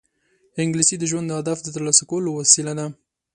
انګلیسي د ژوند د هدف ترلاسه کولو وسیله ده